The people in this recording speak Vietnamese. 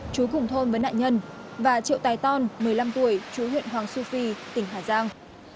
chú cùng thôn với nạn nhân và triệu tài ton một mươi năm tuổi chú huyện hoàng su phi tỉnh hà giang